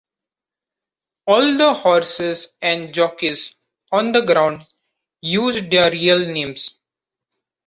All the horses and jockeys on the ground used their real names.